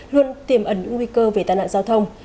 luôn tiềm ẩn những nguy cơ về tàn nạn giao thông